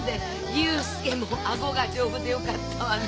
佑介も顎が丈夫でよかったわね。